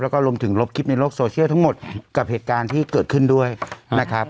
แล้วก็รวมถึงลบคลิปในโลกโซเชียลทั้งหมดกับเหตุการณ์ที่เกิดขึ้นด้วยนะครับ